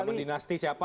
zaman dinasti siapa